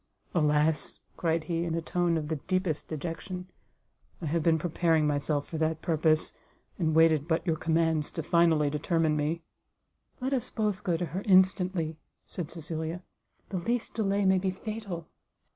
"Alas!" said he, in a tone of the deepest dejection; "I have been preparing myself for that purpose, and waited but your commands to finally determine me." "Let us both go to her instantly," said Cecilia; "the least delay may be fatal."